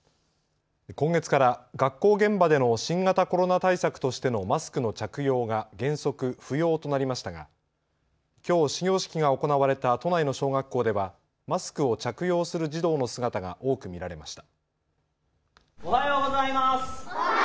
今月から学校現場での新型コロナ対策としてのマスクの着用が原則、不要となりましたがきょう始業式が行われた都内の小学校ではマスクを着用する児童の姿が多く見られました。